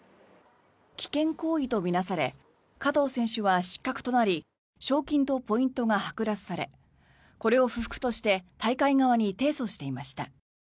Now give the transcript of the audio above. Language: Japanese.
危険行為と見なされ加藤選手は失格となり賞金とポイントがはく奪されこれを不服として大会側に提訴していました。